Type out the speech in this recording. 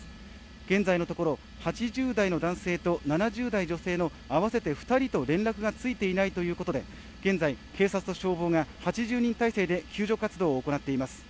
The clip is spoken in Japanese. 現在のところ８０代の男性と７０代女性の合わせて２人と連絡がついていないということで現在、警察と消防が８０人態勢で救助活動を行っています。